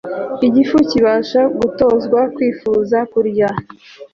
Igifu kibasha gutozwa kwifuza kurya